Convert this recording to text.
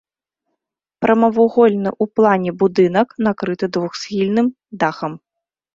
Прамавугольны ў плане будынак накрыты двухсхільным дахам.